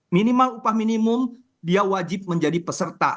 minimal upah minimum dia wajib menjadi peserta